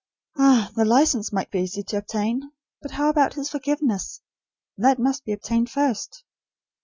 Ah, the license might be easy to obtain; but how about his forgiveness? That must be obtained first.